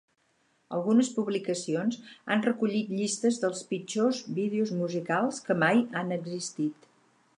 Algunes publicacions han recollit llistes dels "pitjors" vídeos musicals que mai han existit.